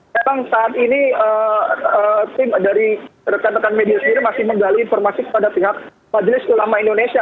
memang saat ini tim dari rekan rekan media sendiri masih menggali informasi kepada pihak majelis ulama indonesia